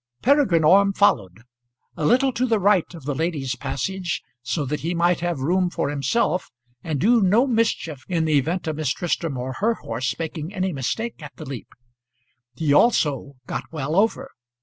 Peregrine Orme followed, a little to the right of the lady's passage, so that he might have room for himself, and do no mischief in the event of Miss Tristram or her horse making any mistake at the leap. He also got well over.